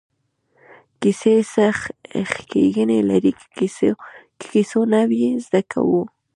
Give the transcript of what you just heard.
کیسې څه ښېګڼې لري له کیسو نه څه زده کوو.